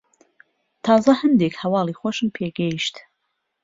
تازە هەندێک هەواڵی خۆشم پێ گەیشت.